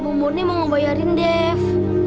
kalau bu murni mau ngebayarin dev